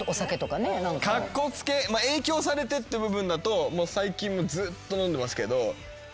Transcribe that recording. カッコつけ影響されてって部分だと最近ずっと飲んでますけど。